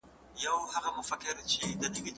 مختلفې سیمې څنګه استازیتوب لري؟